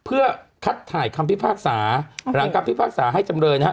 เพื่อคัดถ่ายคำพิพากษาหลังคำพิพากษาให้จำเลยนะฮะ